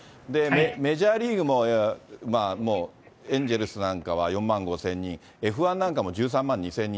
メジャーリーグも、もうエンゼルスなんかは４万５０００人、Ｆ１なんかも１３万２０００人。